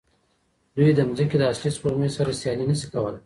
دوی د ځمکې د اصلي سپوږمۍ سره سیالي نه شي کولی.